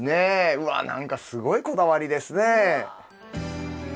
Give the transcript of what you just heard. うわっ何かすごいこだわりですね。